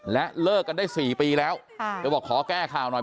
และเลิกกันได้๔ปีแล้วเธอบอกขอแก้ข่าวหน่อย